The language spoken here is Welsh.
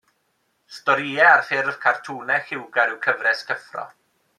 Storïau ar ffurf cartwnau lliwgar yw Cyfres Cyffro.